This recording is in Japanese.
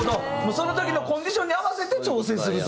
その時のコンディションに合わせて調整すると。